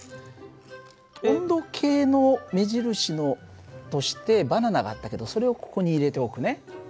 温度計の目印としてバナナがあったけどそれをここに入れておくね。